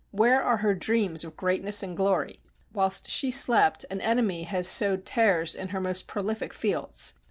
Where are her dreams of greatness and glory? ... Whilst she slept, an enemy has sowed tares in her most prolific fields.